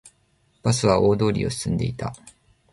バスは大通りを進んでいた